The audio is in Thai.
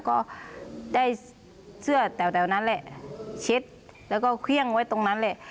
ก็ได้เสื้อแถวนั้นแหละเช็ดแล้วก็เครื่องไว้ตรงนั้นแหละ